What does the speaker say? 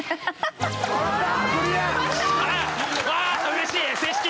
うれしい。